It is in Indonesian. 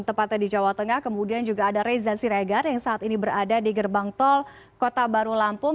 tepatnya di jawa tengah kemudian juga ada reza siregar yang saat ini berada di gerbang tol kota baru lampung